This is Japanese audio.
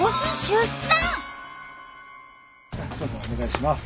お願いします。